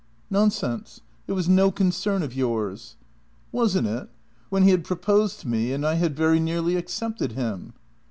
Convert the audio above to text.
" Nonsense. It was no concern of yours." "Wasn't it? When he had proposed to me and I had very nearly accepted him."